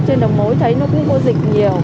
ở trên đầu mối thấy nó cũng có dịch nhiều